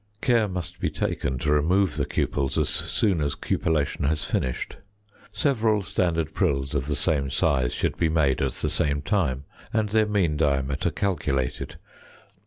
Care must be taken to remove the cupels as soon as cupellation has finished. Several standard prills of the same size should be made at the same time, and their mean diameter calculated.